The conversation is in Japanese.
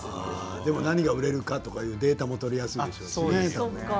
でも何が売れるかデータも取りやすいでしょうね